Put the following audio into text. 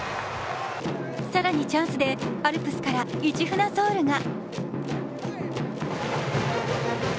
更にチャンスでアルプスから「市船ｓｏｕｌ」が。